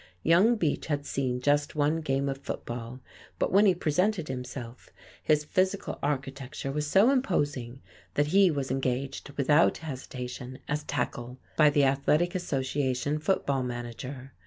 Young Beach had seen just one game of football, but when he presented himself, his physical architecture was so imposing that he was engaged without hesitation, as tackle, by the athletic association football manager.